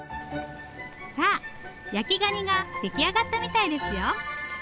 さあ焼きガニが出来上がったみたいですよ。